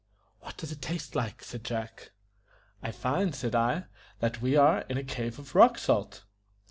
"What does it taste like?" said Jack. "I find," said I, "that we are in a cave of rock salt."